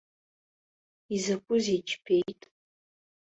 Изакәызеи, џьбеит.